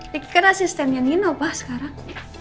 riki kan asistennya nino pak sekarang